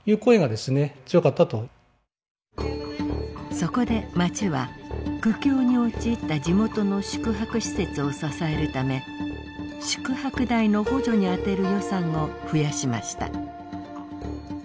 そこで町は苦境に陥った地元の宿泊施設を支えるため宿泊代の補助にあてる予算を増やしました。